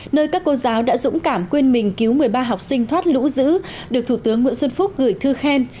nơi các cô giáo đã dũng cảm quên mình cứu một mươi ba học sinh thoát lũ giữ được thủ tướng nguyễn xuân phúc gửi thư khen